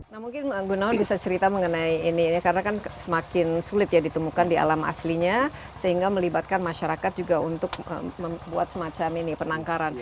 nah mungkin gunawan bisa cerita mengenai ini karena kan semakin sulit ya ditemukan di alam aslinya sehingga melibatkan masyarakat juga untuk membuat semacam ini penangkaran